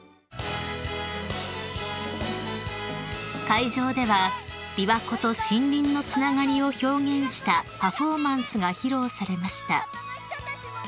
［会場では琵琶湖と森林のつながりを表現したパフォーマンスが披露されました］